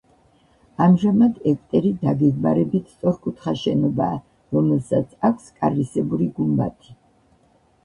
ამჟამად ეგვტერი დაგეგმარებით სწორკუთხაა შენობაა, რომელსაც აქვს კარვისებური გუმბათი.